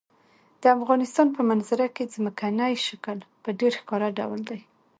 د افغانستان په منظره کې ځمکنی شکل په ډېر ښکاره ډول دی.